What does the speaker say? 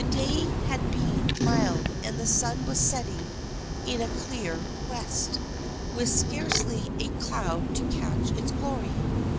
The day had been mild and the sun was setting in a clear west, with scarcely a cloud to catch its glory.